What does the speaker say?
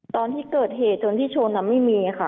ตอนที่เกิดเหตุจนที่ชนไม่มีค่ะ